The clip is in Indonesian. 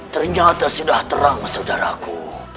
ternyata sudah terang saudaraku